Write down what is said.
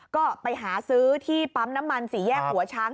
ก็ไปหาซื้อที่ปั๊มน้ำมันสี่แยกหัวช้าง